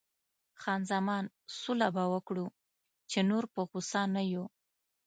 خان زمان: سوله به وکړو، چې نور په غوسه نه یو.